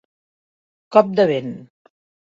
Cop de vent.